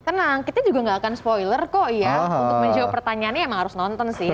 tenang kita juga gak akan spoiler kok ya untuk menjawab pertanyaannya emang harus nonton sih